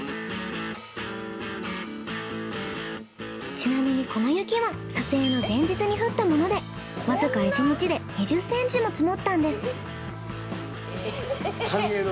ちなみにこの雪は撮影の前日に降ったものでわずか１日で２０ｃｍも積もったんです。